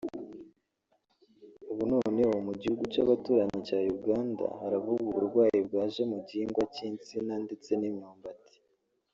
ubu noneho mu gihugu cy’abaturanyi cy’Uganda haravugwa uburwayi bwaje mu gihingwa cy’insina ndetse n’imyumbati